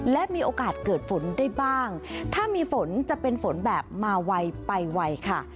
และมีโอกาสเกิดฝนได้บ้างถ้ามีฝนจะเป็นฝนแบบมาไวไปไวค่ะ